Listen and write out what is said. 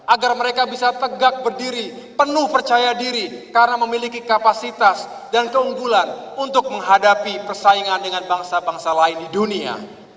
agar mereka bisa tegak berdiri penuh percaya diri karena memiliki kapasitas dan keunggulan untuk menghadapi persaingan dengan bangsa bangsa lain di dunia